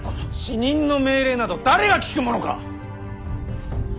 死人の命令など誰が聞くものか！